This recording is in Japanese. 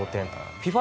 ＦＩＦＡ